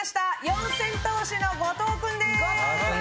四千頭身の後藤君です。